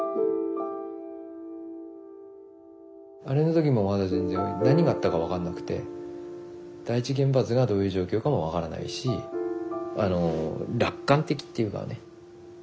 あれの時もまだ全然何があったか分かんなくて第一原発がどういう状況かも分からないしあの楽観的っていうかね